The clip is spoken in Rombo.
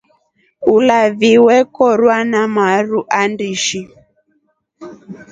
Ulavi wekorwa na maru andishi.